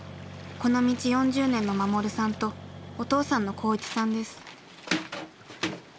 この道４０年の守さんとお父さんの幸一さんです。